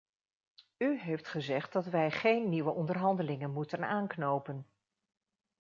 U heeft gezegd dat wij geen nieuwe onderhandelingen moeten aanknopen.